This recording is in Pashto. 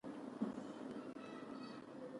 په پایله کې باید د هر انسان کرامت وساتل شي.